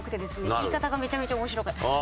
言い方がめちゃめちゃ面白かったです。